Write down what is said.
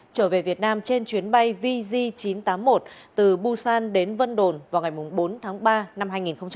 trở về việt nam trên chuyến bay vg chín trăm tám mươi một từ busan đến vân đồn vào ngày bốn tháng ba năm hai nghìn hai mươi